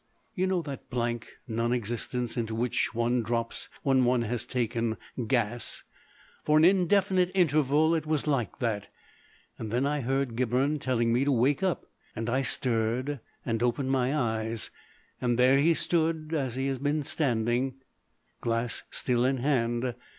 You know that blank non existence into which one drops when one has taken "gas." For an indefinite interval it was like that. Then I heard Gibberne telling me to wake up, and I stirred and opened my eyes. There he stood as he had been standing, glass still in hand.